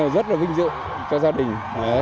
rất là vinh dự cho gia đình